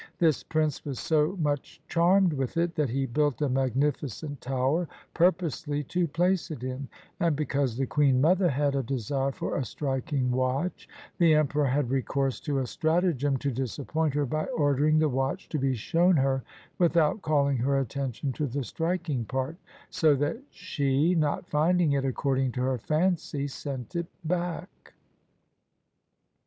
This prince was so much charmed with it that he built a magnificent tower pur posely to place it in, and because the queen mother had a desire for a striking watch, the emperor had recourse to a stratagem to disappoint her by ordering the watch to be shown her without calHng her attention to the strik ing part, so that she, not finding it according to her fancy, sent it back.